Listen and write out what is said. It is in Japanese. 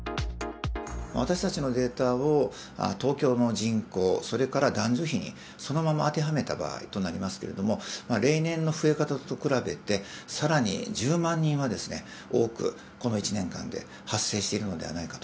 私たちのデータを東京の人口、それから男女比にそのまま当てはめた場合となりますけれども、例年の増え方と比べて、さらに１０万人は多く、この１年間で発生しているのではないかと。